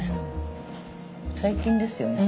最近ですよね。